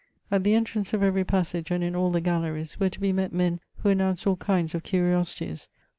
At the entrance of every pas sage, and in all the galleries, were to be met men who an nounced all kinds of curiosities.